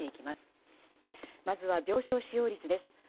まずは病床使用率です。